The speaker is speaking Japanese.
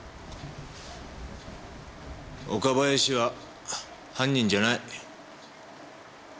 岡林は犯人じゃない。